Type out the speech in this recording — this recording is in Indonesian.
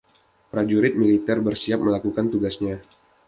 Prajurit militer bersiap melakukan tugasnya.